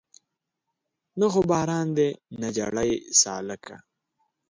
نه خو باران دی نه جړۍ سالکه